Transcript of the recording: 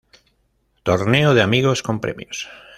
Torneo de Amigos con Premios.